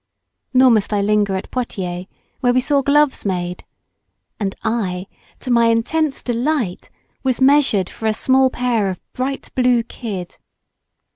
Nor must I linger at Poitiers, where we saw gloves made, and I, to my intense delight was measured for a small pair of bright blue kid.